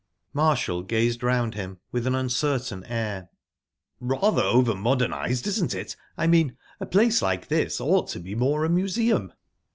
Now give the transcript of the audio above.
_ Marshall gazed around him with an uncertain air. "Rather over modernised, isn't it? I mean, a place like this ought to be more a museum."